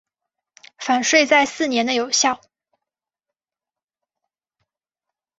返税在四年内有效。